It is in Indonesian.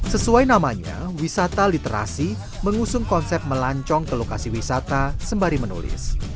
sesuai namanya wisata literasi mengusung konsep melancong ke lokasi wisata sembari menulis